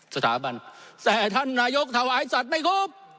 สถาบันแต่ท่านนายกถวายสัตว์ไม่ครบ